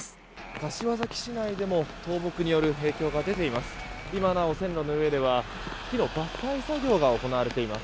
柏崎市内でも倒木による影響が出ています。